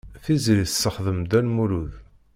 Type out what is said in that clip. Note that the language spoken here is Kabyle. Tiziri tessexdem Dda Lmulud.